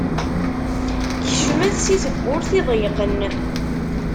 Kecmet si tebburt iḍeyqen.